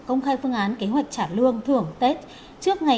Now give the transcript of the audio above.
công khai phương án kế hoạch trả lương thưởng tết trước ngày